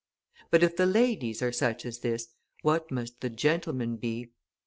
But if the "Ladies" are such as this, what must the "Gentlemen" be?